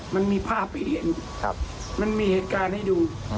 มันมีภาพให้เห็นมันมีเหตุการณ์ให้ดู